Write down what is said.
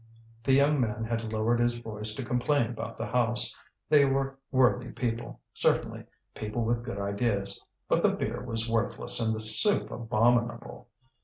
The young man had lowered his voice to complain about the house: they were worthy people, certainly, people with good ideas, but the beer was worthless and the soup abominable!